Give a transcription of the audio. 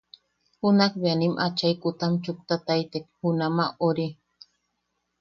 Junakbea nim achai kutam chuktataitek junama ori.